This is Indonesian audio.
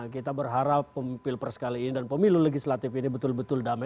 kita berharap pilpres kali ini dan pemilu legislatif ini betul betul damai